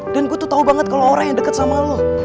dan gue tuh tau banget kalo orang yang deket sama lo